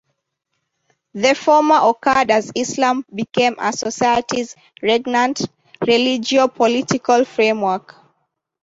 The former occurred as Islam became a society's regnant religio-political framework.